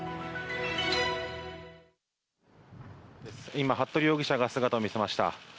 今、服部容疑者が姿を見せました。